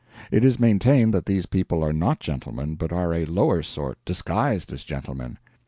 It is maintained that these people are not gentlemen, but are a lower sort, disguised as gentlemen.